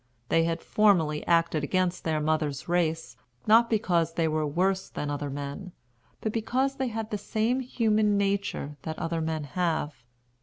They had formerly acted against their mothers' race, not because they were worse than other men, but because they had the same human nature that other men have.